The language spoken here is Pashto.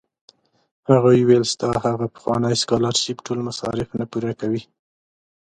هغوی ویل ستا هغه پخوانی سکالرشېپ ټول مصارف نه پوره کوي.